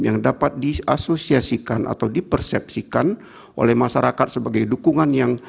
yang dapat diasosiasikan atau dipersepsikan oleh masyarakat sebagai dukungan yang